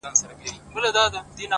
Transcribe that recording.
چي يو ځل بيا څوک په واه ،واه سي راته،